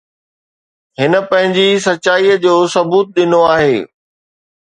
هن پنهنجي سچائي جو ثبوت ڏنو آهي